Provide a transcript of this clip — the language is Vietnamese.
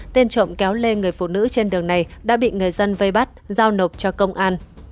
tên trộm kéo lê người phụ nữ trên đường này đã bị người dân vây bắt giao nộp cho công an